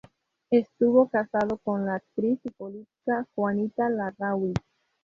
Estuvo casado con la actriz y política Juanita Larrauri.